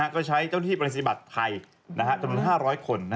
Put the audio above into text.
ก็ใช้เจ้าที่บริษัทไทยจนถึง๕๐๐คน